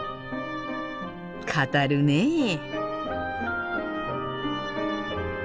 語るねえ。